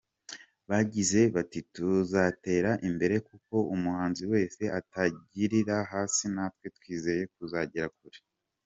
Bagize bati: “Tuzatera imbere kuko umuhanzi wese atangirira hasi natwe twizeye kuzagera kure.